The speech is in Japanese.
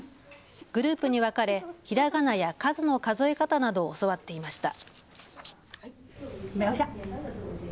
グループに分かれひらがなや数の数え方などを教わっていました。